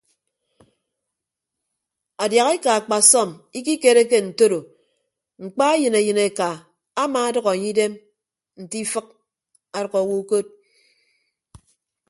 Adiahaeka akpasọm ikikereke ntoro mkpa eyịn eyịneka amaadʌk enye idem nte ifịk adʌk awo ukod.